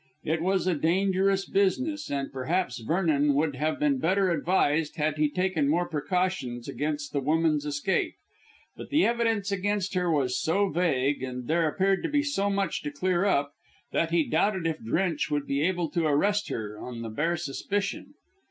It was a dangerous business, and perhaps Vernon would have been better advised had he taken more precautions against the woman's escape; but the evidence against her was so vague, and there appeared to be so much to clear up, that he doubted if Drench would be able to arrest her on the bare suspicion.